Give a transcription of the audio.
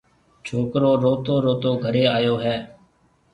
ڇوڪرو روتو روتو گهريَ آئيو هيَ۔